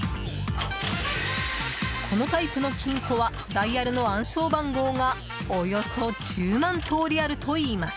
このタイプの金庫はダイヤルの暗証番号がおよそ１０万通りあるといいます。